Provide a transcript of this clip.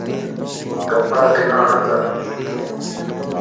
ڪپڙا ڪنا نڪر